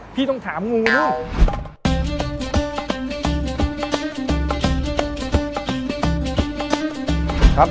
พี่ต้องถามงูลูก